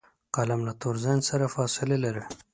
قلم له تور ذهن سره فاصله لري